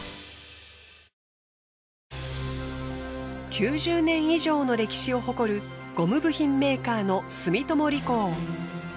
９０年以上の歴史を誇るゴム部品メーカーの住友理工。